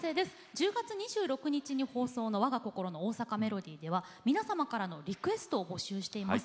１０月２６日に放送の「わが心の大阪メロディー」では皆様からのリクエストを募集しています。